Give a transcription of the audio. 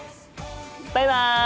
バイバイ！